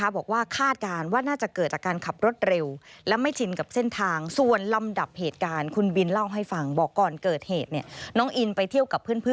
บอกว่าคาดการณ์ว่าน่าจะเกิดจากการขับรถเร็ว